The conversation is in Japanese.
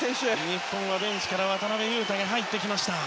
日本のベンチから渡邊雄太が入ってきました。